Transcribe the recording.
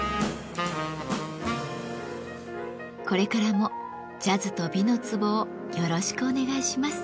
これからもジャズと「美の壺」をよろしくお願いします。